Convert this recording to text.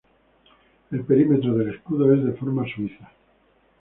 El perímetro del escudo es de forma suiza.